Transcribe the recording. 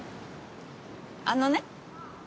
あのね。